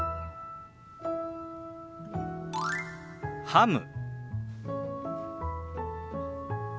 「ハム」。